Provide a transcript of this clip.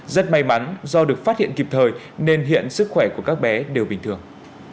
rất may mắn do được phát hiện kịp thời nên hiện sức khỏe của các bé đều bình thường